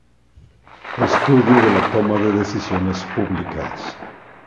Estudio de la toma de decisiones públicas.